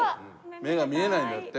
目が見えないんだって。